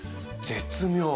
絶妙。